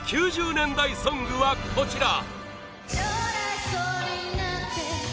９０年代ソングはこちら！